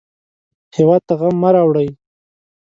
هېواد ته غم مه راوړئ